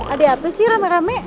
ada apa sih rame rame